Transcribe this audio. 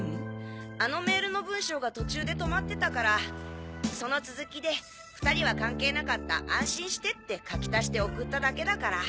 あのメールの文章が途中で止まってたからその続きで「２人は関係なかった安心して」って書き足して送っただけだから。